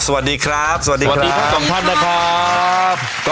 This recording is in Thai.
สวัสดีครับสวัสดีครับสวัสดีครับสวัสดีครับสวัสดีครับ